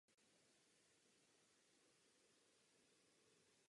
Vážnost Evropského parlamentu tím neutrpí.